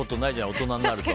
大人になると。